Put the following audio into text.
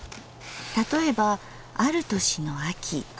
例えばある年の秋。